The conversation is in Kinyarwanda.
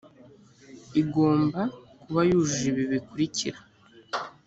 igomba kuba yujuje ibi bikurikira